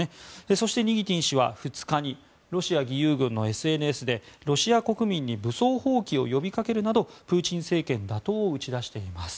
そして、ニギティン氏は２日にロシア義勇軍のＳＮＳでロシア国民に武装蜂起を呼びかけるなどプーチン政権打倒を打ち出しています。